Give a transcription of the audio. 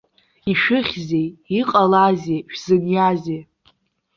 Ишәыхьзеи, иҟалазеи, шәзыниазеи?